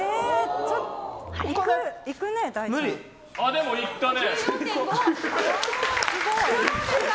でも、いったね。